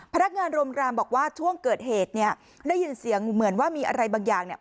พนักงานโรงแรมบอกว่าช่วงเกิดเหตุเนี่ยได้ยินเสียงเหมือนว่ามีอะไรบางอย่างเนี่ย